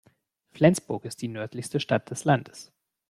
Flensburg ist die nördlichste Stadt des Landes.